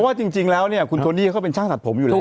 ว่าจริงแล้วเนี่ยคุณโทนี่เขาเป็นช่างตัดผมอยู่แล้ว